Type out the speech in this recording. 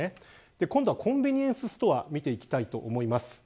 今度はコンビニエンスストアを見ていきます。